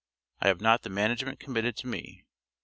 I have not the management committed to me.